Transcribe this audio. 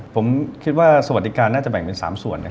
ผมคิดว่าสวัสดิการน่าจะแบ่งเป็น๓ส่วน